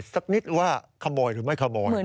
สักนิดว่าขโมยหรือไม่ขโมย